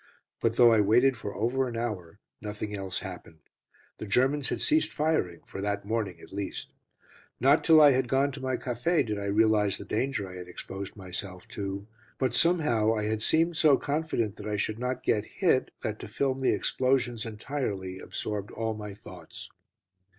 But though I waited for over an hour, nothing else happened. The Germans had ceased firing for that morning at least. Not till I had gone to my café did I realise the danger I had exposed myself to, but somehow I had seemed so confident that I should not get hit, that to film the explosions entirely absorbed all my thoughts.